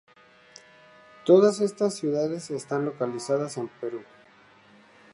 Todas estas ciudades están localizadas en el Perú.